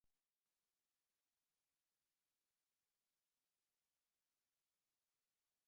Además, navíos de ambas naciones podían navegar sin restricciones por el río.